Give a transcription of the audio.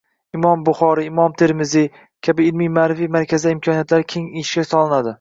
Imom Buxoriy, Imom Termiziy kabi ilmiy-ma’rifiy markazlar imkoniyatlari keng ishga solinadi.